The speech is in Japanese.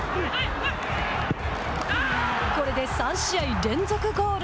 これで３試合連続ゴール。